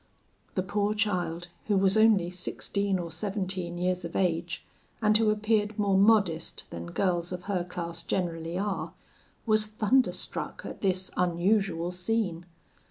The poor child, who was only sixteen or seventeen years of age, and who appeared more modest than girls of her class generally are, was thunderstruck at this unusual scene.